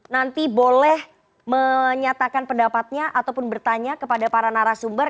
nanti boleh menyatakan pendapatnya ataupun bertanya kepada para narasumber